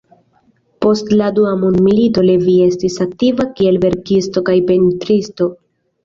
Post la dua mondmilito Levi estis aktiva kiel verkisto kaj pentristo.